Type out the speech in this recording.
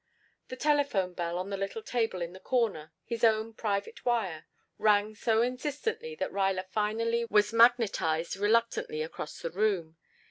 The telephone bell on the little table in the corner (his own private wire) rang so insistently that Ruyler finally was magnetized reluctantly across the room.